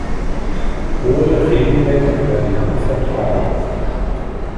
Hohe Regenmengen werden gut vertragen.